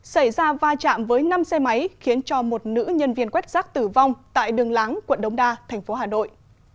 xảy ra va chạm với năm xe máy khiến cho một nữ nhân viên quét rác tử vong tại đường láng quận đống đa thành phố hà nội